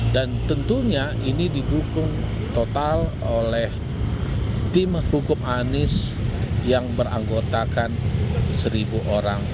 dan tentunya ini didukung total oleh tim hukum anies yang beranggotakan seribu orang